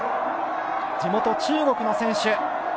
地元・中国の選手。